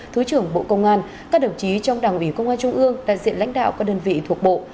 thứ trưởng bộ công an các đồng chí trong đảng ủy công an trung ương đại diện lãnh đạo các đơn vị thuộc bộ